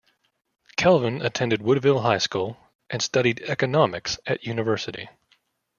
Kelvin attended Woodville High School and studied economics at university.